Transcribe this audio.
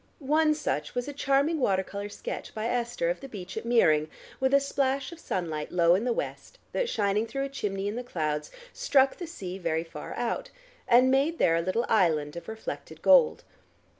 One such was a charming water color sketch by Esther of the beach at Meering, with a splash of sunlight low in the West that, shining through a chimney in the clouds, struck the sea very far out, and made there a little island of reflected gold.